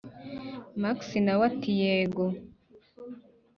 max nawe ati: yego!